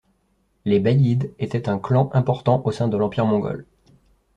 Les Bayid étaient un clan important au sein l'Empire mongol.